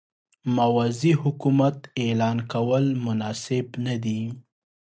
موازي حکومت اعلان کول مناسب نه دي.